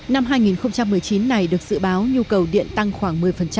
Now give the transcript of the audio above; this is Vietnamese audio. năm hai nghìn một mươi chín này được dự báo nhu cầu điện tăng khoảng một mươi